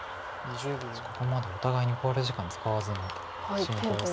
ここまでお互いに考慮時間使わずの進行です。